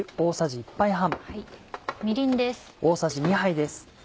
みりんです。